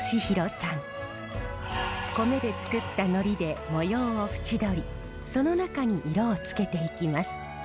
米でつくったのりで模様を縁取りその中に色をつけていきます。